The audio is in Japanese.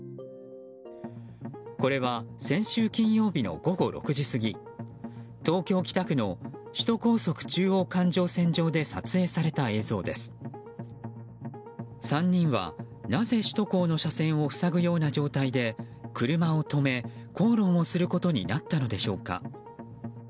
これは先週金曜日の午後６時過ぎ東京・北区の首都高速中央環状線上で３人はなぜ首都高の車線を塞ぐような状態で車を止め口論をすることになったのでしょうか。